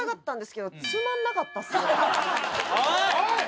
・おい！